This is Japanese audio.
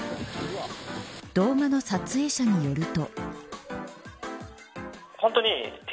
動画の撮影者によると。